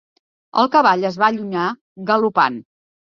El cavall es va allunyar galopant.